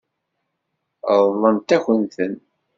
Ṛeḍlent-akent-ten.